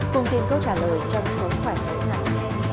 thông tin câu trả lời trong số khoản hữu nặng